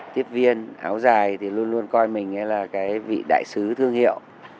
tiếp viên áo dài thì luôn luôn coi mình là cái vị đại sứ thương hiệu